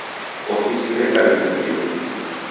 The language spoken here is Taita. Ofisi reka rifungilo.